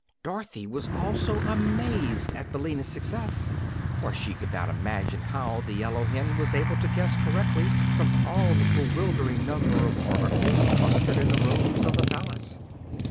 Dorothy was also amazed at Billina's success, for she could not imagine how the yellow hen was able to guess correctly from all the bewildering number of articles clustered in the rooms of the palace.